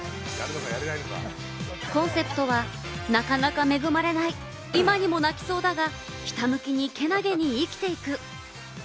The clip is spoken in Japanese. コンセプトはなかなか恵まれない、今にも泣きそうだが、ひたむきに、健気に生きていく。